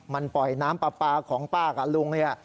มันปล่อยน้ำปลาปลาของป้ากับลุงเนี่ย